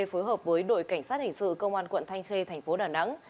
phối hợp với đội cảnh sát hình sự công an quận thanh khê thành phố đà nẵng